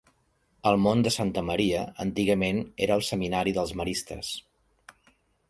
El Mont de Santa Maria antigament era el seminari dels maristes.